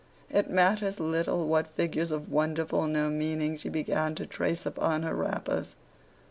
It matters little what figures of wonderful no meaning she began to trace upon her wrappers.